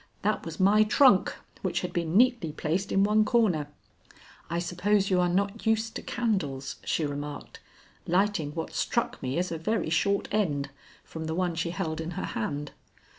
That was my trunk, which had been neatly placed in one corner. "I suppose you are not used to candles," she remarked, lighting what struck me as a very short end, from the one she held in her hand.